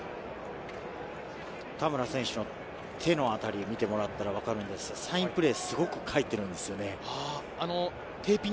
田村選手の手のあたりを見てもらったら分かるんですが、サインプレー、すごくかいてるんですよね。